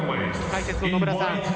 解説の野村さん